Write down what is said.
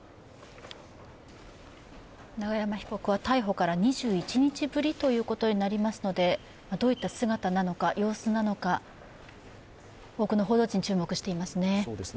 永山被告は逮捕から２１日ぶりということになりますので、どういった姿なのか、様子なのか、多くの報道陣が注目していますね。